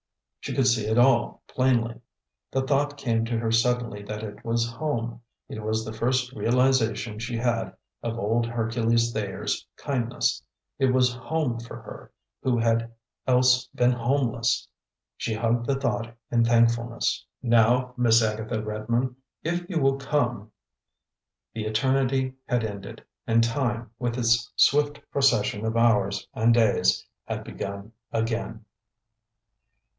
She could see it all, plainly. The thought came to her suddenly that it was home. It was the first realization she had of old Hercules Thayer's kindness. It was Home for her who had else been homeless. She hugged the thought in thankfulness. "Now, Miss Agatha Redmond, if you will come " The eternity had ended; and time, with its swift procession of hours and days, had begun again.